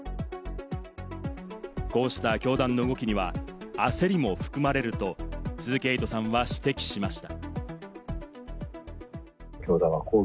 こうした教団の動きには、焦りも含まれると鈴木エイトさんは指摘しました。